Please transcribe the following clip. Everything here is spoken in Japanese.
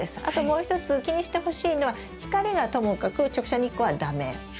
あともう一つ気にしてほしいのは光がともかく直射日光は駄目。